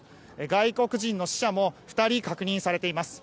外国人の死者も２人確認されています。